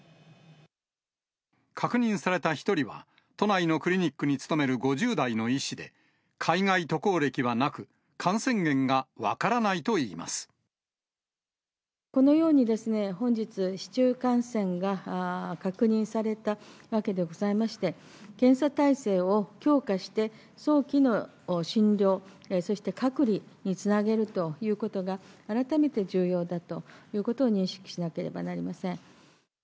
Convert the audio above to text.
確認された１人は、都内のクリニックに勤める５０代の医師で、海外渡航歴はなく、このようにですね、本日、市中感染が確認されたわけでございまして、検査体制を強化して、早期の診療、そして隔離につなげるということが、改めて重要だということを認識しなければなりません。